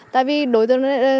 tại vì đối tượng này